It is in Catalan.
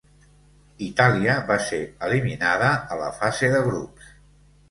Itàlia va ser eliminada a la fase de grups.